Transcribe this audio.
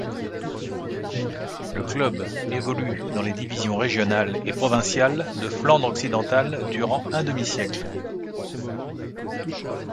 Le club évolue dans les divisions régionales et provinciales de Flandre-Occidentale durant un demi-siècle.